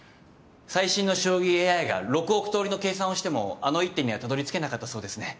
最新の将棋ＡＩが６億通りの計算をしてもあの一手にはたどりつけなかったそうですね。